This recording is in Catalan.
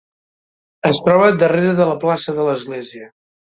Es troba darrere de la plaça de l'església.